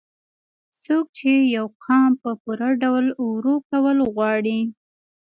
څوک چې يو قام په پوره ډول وروکول غواړي